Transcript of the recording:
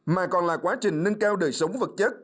mà còn là quá trình nâng cao đời sống vật chất